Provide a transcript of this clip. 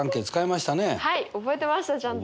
はい覚えてましたちゃんと。